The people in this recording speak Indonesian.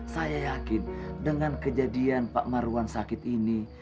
saya yakin dengan kejadian pak marwan sakit ini